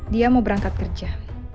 dia mau berangkat kerja